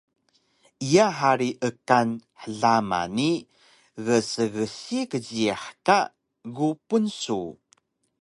iya hari ekan hlama ni gsgsi kjiyax ka gupun su